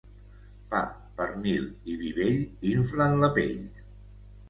Pa, pernil i vi vell inflen la pell.